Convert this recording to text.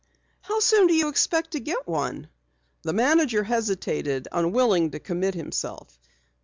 "How soon do you expect to get one?" The manager hesitated, unwilling to commit himself.